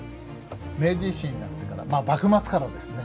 明治維新になってからまあ幕末からですね